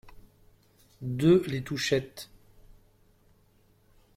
deux les Touchettès